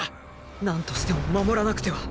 何としても守らなくては。